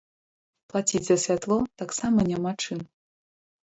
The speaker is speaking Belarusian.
Плаціць за святло таксама няма чым.